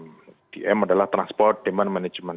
pdm adalah transport demand management